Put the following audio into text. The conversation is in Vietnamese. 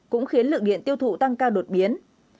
cũng khiến lượng điện tiêu thụ tăng cao đột biến